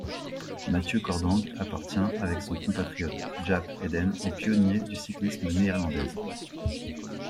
Mathieu Cordang appartient avec son compatriote Jaap Eden aux pionniers du cyclisme néerlandaise.